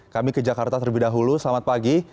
kami ke jakarta terlebih dahulu selamat pagi